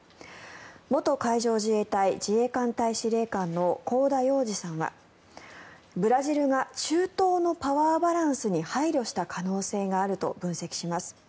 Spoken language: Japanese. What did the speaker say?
元海上自衛隊自衛艦隊司令官の香田洋二さんはブラジルが中東のパワーバランスに配慮した可能性があると分析します。